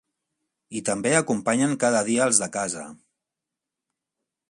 I també acompanyen cada dia els de casa.